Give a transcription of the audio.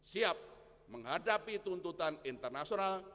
siap menghadapi tuntutan internasional